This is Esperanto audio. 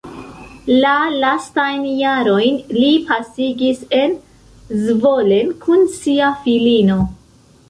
La lastajn jarojn li pasigis en Zvolen kun sia filino.